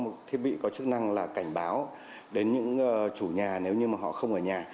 một thiết bị có chức năng là cảnh báo đến những chủ nhà nếu như mà họ không ở nhà